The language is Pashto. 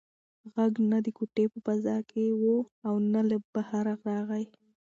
غږ نه د کوټې په فضا کې و او نه له بهره راغی.